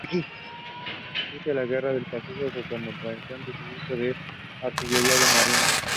Inicia la Guerra del Pacífico como Capitán del Regimiento de Artillería de Marina.